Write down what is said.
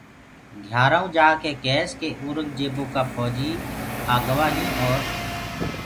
گھِيآرآئونٚ جآڪي ڪيس ڪي اورنٚگجيبو ڪآ ڦوجيٚ آگوآ هيٚنٚ اور